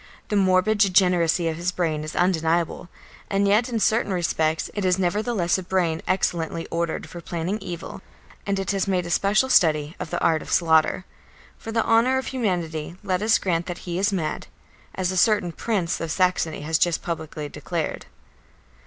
The morbid degeneracy of his brain is undeniable, and yet in certain respects it is nevertheless a brain excellently ordered for planning evil, and it has made a special study of the art of slaughter. For the honour of humanity let us grant that he is mad, as a certain prince of Saxony has just publicly declared.